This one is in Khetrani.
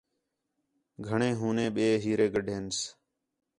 گھݨیں ہُو نے ٻئے ہیرے گڈھینس